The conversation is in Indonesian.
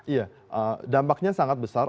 iya dampaknya sangat besar